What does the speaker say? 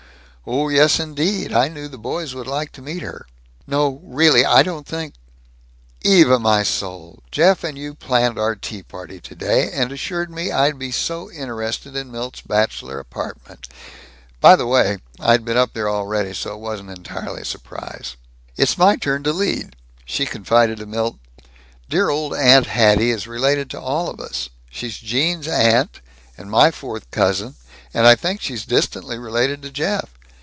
"Oh yes, indeed. I knew the boys would like to meet her." "No, really, I don't think " "Eva, my soul, Jeff and you planned our tea party today, and assured me I'd be so interested in Milt's bachelor apartment By the way, I'd been up there already, so it wasn't entirely a surprise. It's my turn to lead." She confided to Milt, "Dear old Aunt Hatty is related to all of us. She's Gene's aunt, and my fourth cousin, and I think she's distantly related to Jeff.